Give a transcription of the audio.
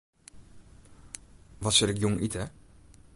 Wat sil ik jûn ite?